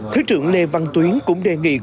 thế trưởng lê văn tuyến cũng đề nghị cục y tế